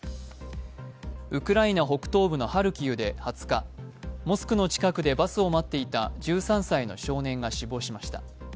ウクライナ北東部のハルキウで２０日、モスクの近くでバスを待っていた１３歳の少年が死亡しました。